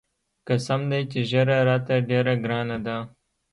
قسم دى چې ږيره راته ډېره ګرانه ده.